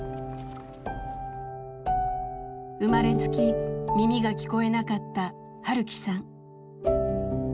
生まれつき耳が聞こえなかった晴樹さん。